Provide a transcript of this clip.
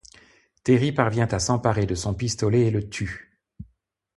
Terry parvient à s'emparer de son pistolet et le tue.